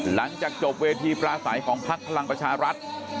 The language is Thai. หลังจากจบเวทีปราศัยของพักพลังประชารัฐ